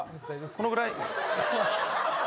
このぐらい？